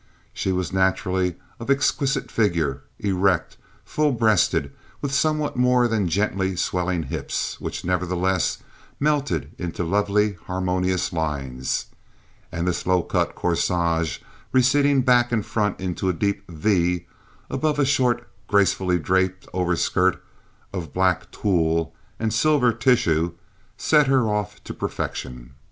She was naturally of exquisite figure, erect, full breasted, with somewhat more than gently swelling hips, which, nevertheless, melted into lovely, harmonious lines; and this low cut corsage, receding back and front into a deep V, above a short, gracefully draped overskirt of black tulle and silver tissue, set her off to perfection.